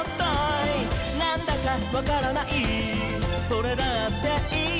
「なんだかわからないそれだっていい」